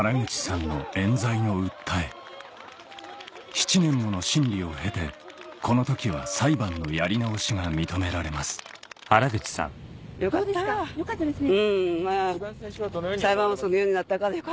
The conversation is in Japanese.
７年もの審議を経てこの時は裁判のやり直しが認められますどうですか？